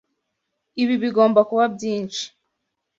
Ibi bigomba kuba byinshi.